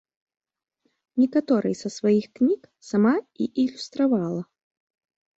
Некаторыя са сваіх кніг сама і ілюстравала.